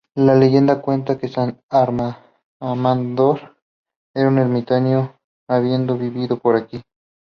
La leyenda cuenta que San Amador era un ermitaño habiendo vivido por aquí.